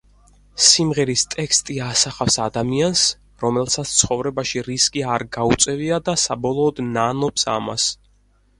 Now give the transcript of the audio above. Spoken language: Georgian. სიმღერის ტექსტი ასახავს ადამიანს, რომელსაც ცხოვრებაში რისკი არ გაუწევია და საბოლოოდ ნანობს ამას.